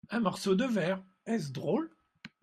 Un morceau de verre… est-ce drôle ?